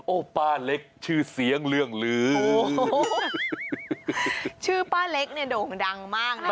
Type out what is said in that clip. โอ้โหป้าเล็กชื่อเสียงเรื่องลือโอ้โหชื่อป้าเล็กเนี่ยโด่งดังมากนะคะ